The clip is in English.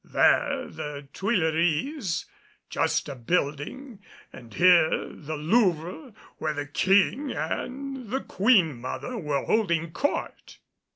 There the Tuileries, just a building; and here the Louvre, where the King and the Queen mother were holding court.